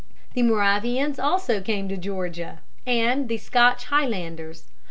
The Moravians also came to Georgia, and the Scotch Highlanders.